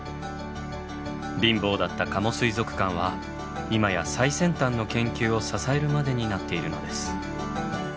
貧乏だった加茂水族館は今や最先端の研究を支えるまでになっているのです。